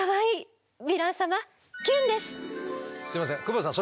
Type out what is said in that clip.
すいません久保田さん